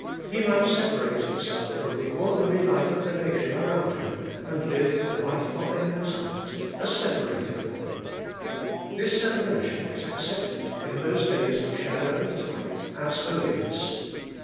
He might separate himself from the ordinary life of the nation around him, and live the life of a Nazarite, a separated one. This separation was accepted, in those days of shadow and type, as holiness.